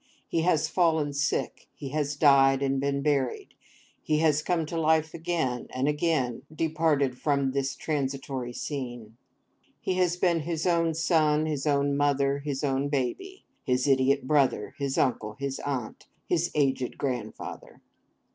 He has fallen sick; he has died and been buried; he has come to life again, and again departed from this transitory scene: he has been his own son, his own mother, his own baby, his idiot brother, his uncle, his aunt, his aged grandfather.